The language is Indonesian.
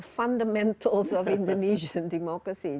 fundamenta demokrasi indonesia